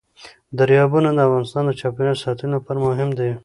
دریابونه د افغانستان د چاپیریال ساتنې لپاره مهم دي.